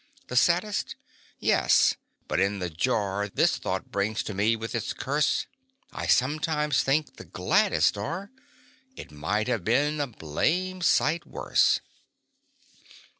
The saddest? Yes but in the jar This thought brings to me with its curse, I sometimes think the gladdest are "It might have been a blamed sight worse."